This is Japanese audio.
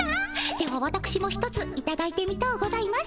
ではわたくしも一ついただいてみとうございます。